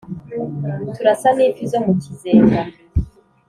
Turasa n' ifi zo mu kizenga,